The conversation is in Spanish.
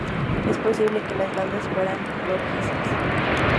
Es posible que las bandas fueran rojizas.